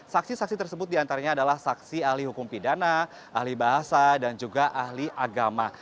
saksi saksi tersebut diantaranya adalah saksi ahli hukum pidana ahli bahasa dan juga ahli agama